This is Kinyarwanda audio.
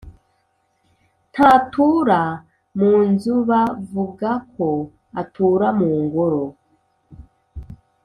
Ntatura mu nzubavugako atura mu Ngoro